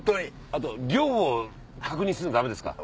あと量を確認するのダメですか？